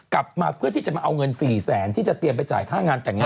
กลับมาเพื่อที่จะมาเอาเงิน๔แสนที่จะเตรียมไปจ่ายค่างานแต่งงาน